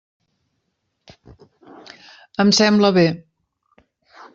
Em sembla bé.